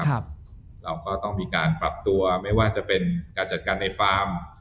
เราก็ต้องมีการปรับตัวไม่ว่าจะเป็นการจัดการในฟาร์ม